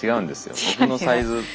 僕のサイズ。